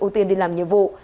ưu tiên đi làm nhiệm vụ